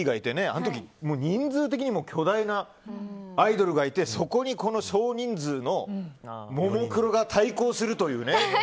あの時、人数的にもアイドルがいて、そこに少人数のももクロが対抗するというね。